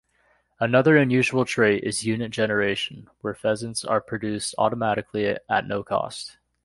Another unusual trait is unit generation, where peasants are produced automatically at no cost.